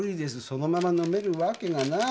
そのまま飲めるわけがない。